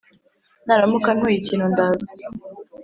naramuka ntuye ikintu ndaza